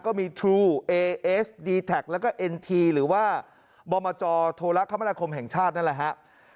ก็มีทรูเอเอสดีแท็กแล้วก็เอ็นทีหรือว่าบมจโทรคมนาคมแห่งชาตินั่นแหละฮะ